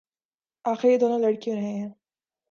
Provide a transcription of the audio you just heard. آخر یہ دونوں لڑ کیوں رہے ہیں